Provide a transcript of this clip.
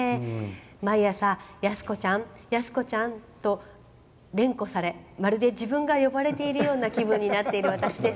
毎朝、安子ちゃん、安子ちゃんと連呼されまるで自分が呼ばれているような気分になっている私です。